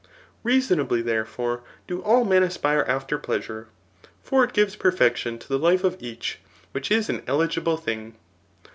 Rea sonably, therefore, do all men aspire after pleasure ; for it gives perfection to the life of each, which is an eligible thing.